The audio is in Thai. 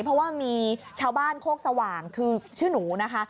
เพราะว่ามีชาวบ้านโคกสว่างคือชื่อหนูนะคะ